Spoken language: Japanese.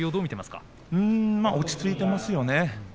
落ち着いてますね。